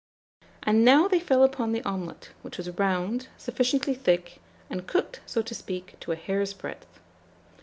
"And now they fell upon the omelet, which was round, sufficiently thick, and cooked, so to speak, to a hair's breadth.